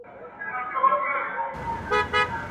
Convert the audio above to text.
د سړیو غلبلې سي انګولا سي د لېوانو !.